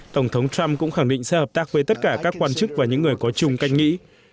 tổng thống trump cũng khẳng định sẽ hợp tác với tất cả các quan chức và những người có chung cách mỹ